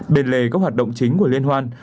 bên lề các hoạt động chính của liên hoan